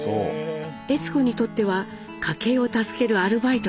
悦子にとっては家計を助けるアルバイトでした。